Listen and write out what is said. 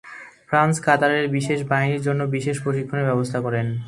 France কাতারের বিশেষ বাহিনীর জন্য বিশেষ প্রশিক্ষণে ব্যবস্থা করেন।